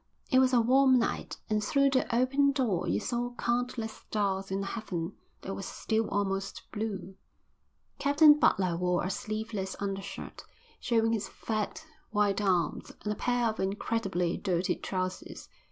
It was a warm night, and through the open door you saw countless stars in a heaven that was still almost blue. Captain Butler wore a sleeveless under shirt, showing his fat white arms, and a pair of incredibly dirty trousers.